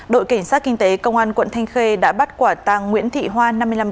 đội cảnh sát kinh tế công an quận thanh khê đã bắt quả tàng nguyễn thị hoa